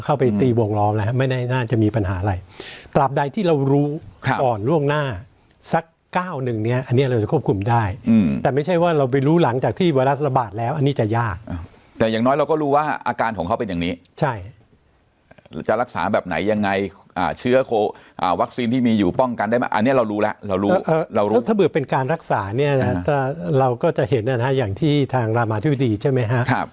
เข้าไปตีวงรอบแล้วไม่ได้น่าจะมีปัญหาอะไรตราบใดที่เรารู้อ่อนล่วงหน้าสัก๙หนึ่งเนี้ยอันเนี้ยเราจะควบคุมได้อืมแต่ไม่ใช่ว่าเราไปรู้หลังจากที่เวราสระบาดแล้วอันนี้จะยากแต่อย่างน้อยเราก็รู้ว่าอาการของเขาเป็นอย่างนี้ใช่จะรักษาแบบไหนยังไงอ่าเชื้อโควัคซีนที่มีอยู่ป้องกันได้มั้ยอันเนี้ยเรารู้แล้วเร